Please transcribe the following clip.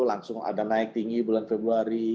langsung ada naik tinggi bulan februari